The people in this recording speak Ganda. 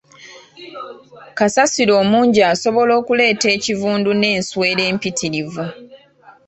Kasasiro omungi asobola okuleeta ekivundu n'ensowera empitirivu.